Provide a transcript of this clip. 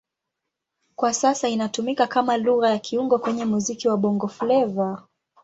Kwa sasa inatumika kama Lugha ya kiungo kwenye muziki wa Bongo Flava.